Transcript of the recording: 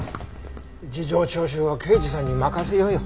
事情聴取は刑事さんに任せようよ。